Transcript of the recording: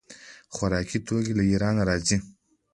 خوراکي توکي له ایران راځي.